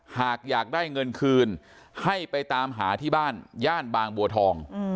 หากอยากได้เงินคืนให้ไปตามหาที่บ้านย่านบางบัวทอง